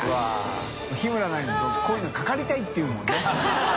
發ζ２,爾覆鵑こういうの「かかりたい」って言うもんね。